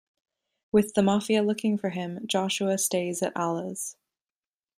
With the mafia looking for him, Joshua stays at Alla's.